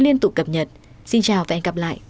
liên tục cập nhật xin chào và hẹn gặp lại